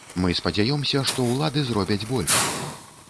Мы спадзяёмся, што ўлады зробяць больш.